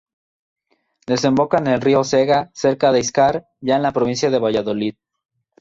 Desemboca en el río Cega, cerca de Íscar, ya en la provincia de Valladolid.